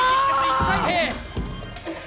１対０。